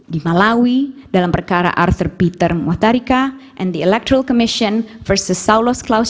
di malawi dalam perkara arthur peter muhtarika and the electoral commission versus saulus klaus